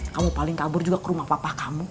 kamu paling kabur juga ke rumah papa kamu